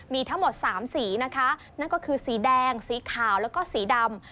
มีทั้งหมด๓สีนะคะนั่นก็คือสีแดงสีขาวแล้วก็สีดำ